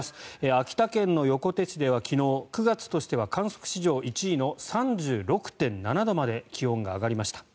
秋田県の横手市では昨日９月としては観測史上１位の３６．７度まで気温が上がりました。